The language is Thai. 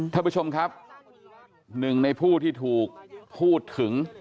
ท่านผู้ชมครับหนึ่งในผู้ที่ถูกพูดถึง